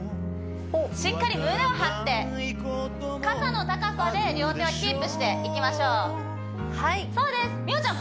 しっかり胸を張って肩の高さで両手をキープしていきましょうはいそうです美桜ちゃん